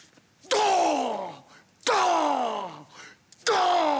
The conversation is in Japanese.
ドーン！